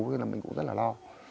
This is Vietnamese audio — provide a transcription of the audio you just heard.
thế là mình cũng rất là lo